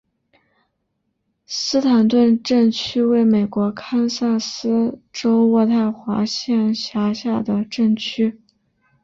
斯坦顿镇区为美国堪萨斯州渥太华县辖下的镇区。